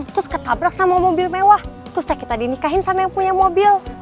terus ketabrak sama mobil mewah terus setelah kita dinikahin sama yang punya mobil